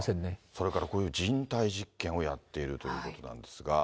それからこういう人体実験をやっているということなんですが。